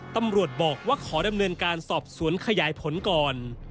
ตำรวจบอกว่าขอดำเนินการสอบสวนขยายผลก่อน